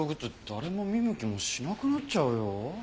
誰も見向きもしなくなっちゃうよ？